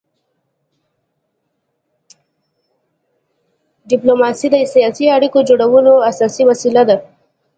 ډيپلوماسي د سیاسي اړیکو جوړولو اساسي وسیله ده.